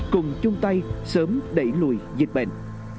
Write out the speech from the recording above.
cùng chung tay sớm đẩy lùi dịch bệnh